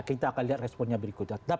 kita akan lihat responnya berikutnya